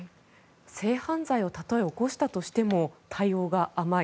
性犯罪をたとえ起こしたとしても対応が甘い